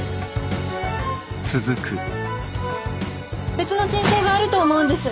別の真相があると思うんです。